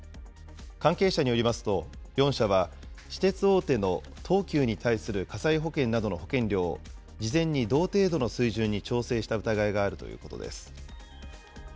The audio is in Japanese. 関係者によりますと、４社は私鉄大手の東急に対する火災保険などの保険料を、事前に同程度の水準に調整した疑いがあるということです。